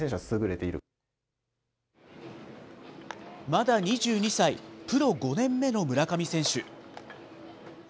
まだ２２歳、プロ５年目の村上選手。